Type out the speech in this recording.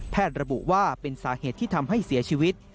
ระบุว่าเป็นสาเหตุที่ทำให้เสียชีวิต